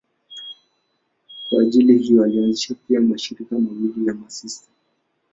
Kwa ajili hiyo alianzisha pia mashirika mawili ya masista.